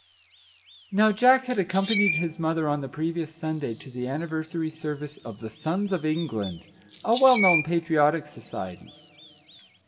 Our Little Canadian Cousin 77 Now Jack had accompanied his mother on the previous Sunday to the anniversary service of the Sons of England, a well known patriotic society.